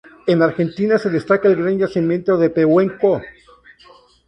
En Argentina se destaca el gran yacimiento de Pehuen-Có.